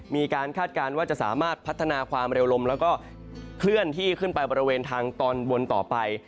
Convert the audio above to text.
คาดการณ์ว่าจะสามารถพัฒนาความเร็วลมแล้วก็เคลื่อนที่ขึ้นไปบริเวณทางตอนบนต่อไป